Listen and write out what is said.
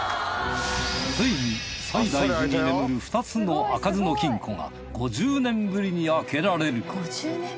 ついに西大寺に眠る２つの開かずの金庫が５０年ぶりに開けられる。